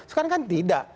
sekarang kan tidak